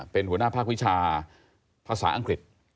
เป็นหัวหน้าภาควิชาภาษาอังกฤษ